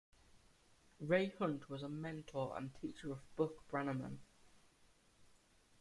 Ray Hunt was a mentor and teacher of Buck Brannaman.